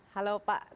halo pak terima kasih